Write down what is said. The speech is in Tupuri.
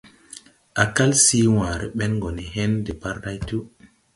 Á kal sii wããre ben go ne hen depārday tuu.